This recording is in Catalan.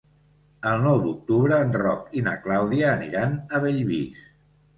El nou d'octubre en Roc i na Clàudia aniran a Bellvís.